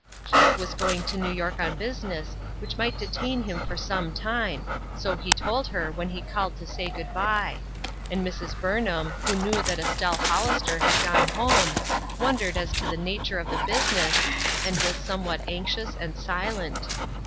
He was going to New York on business which mio ht detain him for some time, so he told her when he called to say good by ; and Mrs. Burnham, who knew that Estelle Hollister had gone home, wondered as to the nature of the business, and was somewhat anxious, and silent.